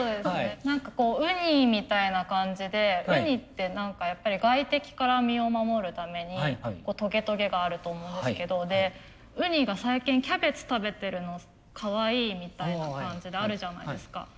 何かこうウニみたいな感じでウニって何かやっぱり外敵から身を守るためにトゲトゲがあると思うんですけどウニが最近キャベツ食べてるのをかわいいみたいな感じであるじゃないですか。